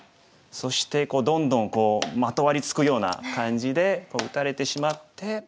そしてどんどんまとわりつくような感じでこう打たれてしまって。